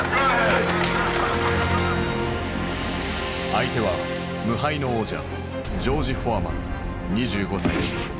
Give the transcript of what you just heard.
相手は無敗の王者ジョージ・フォアマン２５歳。